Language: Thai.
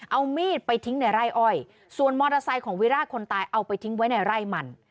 เอามีดไปทิ้งในไร่อ้อยส่วนมอเตอร์ไซค์ของวิราชคนตายเอาไปทิ้งไว้ในไร่มัน